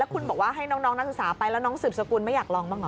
คุณบอกว่าให้น้องนักศึกษาไปแล้วน้องสืบสกุลไม่อยากลองบ้างเหรอ